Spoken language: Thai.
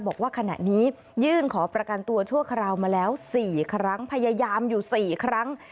บอกว่าขณะนี้ยื่นขอประกันตัวชั่วคราวมาแล้ว๔ครั้งพยายามอยู่๔ครั้ง